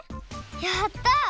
やった！